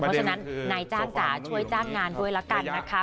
เพราะฉะนั้นนายจ้างจ๋าช่วยจ้างงานด้วยละกันนะคะ